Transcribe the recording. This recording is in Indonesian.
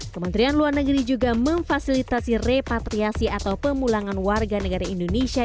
kementerian luar negeri juga memfasilitasi repatriasi atau pemulangan warga negara indonesia